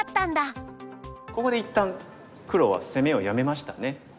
ここで一旦黒は攻めをやめましたね。